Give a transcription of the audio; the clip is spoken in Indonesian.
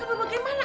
udah kan bagaimana